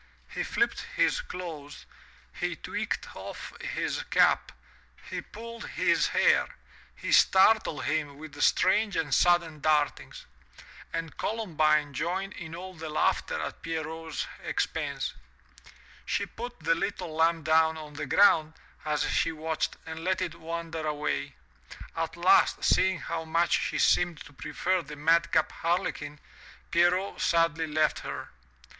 He flipped his clothes, he tweaked off his cap, he pulled his hair, he startled him with strange and sudden dartings. And Columbine joined in all the laughter at Pierrot's expense. She put the little lamb down on the ground as she watched and let it wander away. At last, seeing how much she seemed to prefer the madcap Harlequin, Pierrot sadly left her.